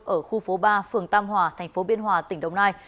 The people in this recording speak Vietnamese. ở khu phố ba phường tam hòa tp biên hòa tỉnh đồng nai